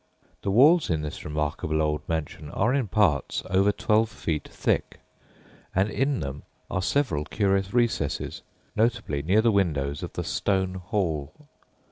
The walls in this remarkable old mansion are in parts over twelve feet thick, and in them are several curious recesses, notably near the windows of the "stone hall."